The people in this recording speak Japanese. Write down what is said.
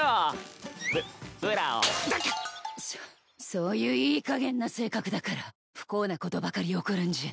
そそういういいかげんな性格だから不幸なことばかり起こるんじゃ。